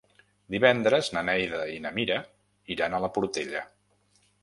Divendres na Neida i na Mira iran a la Portella.